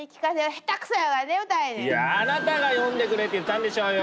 いやあなたが読んでくれって言ったんでしょうよ！